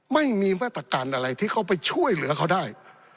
ไม่มีมาตรการอะไรที่เขาไปช่วยเหลือเขาได้